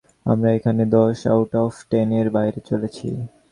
আমরা এখানে দশ-আউট-অফ-টেন-এর বাইরে চলেছি।